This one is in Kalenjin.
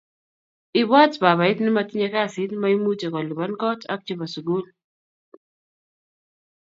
ibwat babait ne matinye kasit maimuche kolipan kot ak che bo sukul